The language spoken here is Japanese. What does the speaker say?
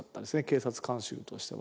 警察監修としては。